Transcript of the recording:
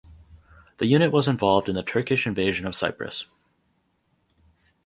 The unit was involved in the Turkish invasion of Cyprus.